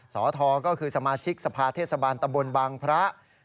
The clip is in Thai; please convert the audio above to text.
สทก็คือสมาชิกสภาเทศบาลตำบลบางพระ